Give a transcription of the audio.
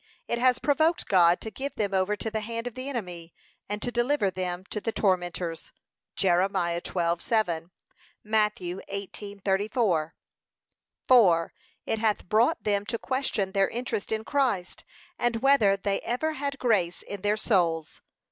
It has provoked God to give them over to the hand of the enemy, and to deliver them to the tormentors. (Jer. 12:7; Matt. 18:34) (4.) It hath brought them to question their interest in Christ, and whether they ever had grace in their souls.